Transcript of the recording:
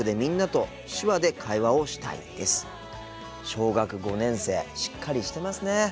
小学５年生しっかりしてますね。